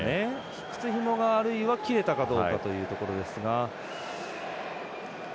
靴ひもが切れたかどうかというところですが。